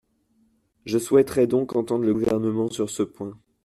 Je souhaiterais donc entendre le Gouvernement sur ce point.